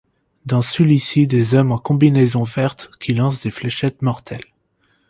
Dans celui-ci, des hommes en combinaison verte, qui lancent des fléchettes mortelles.